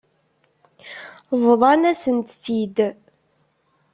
Bḍan-asent-tt-id.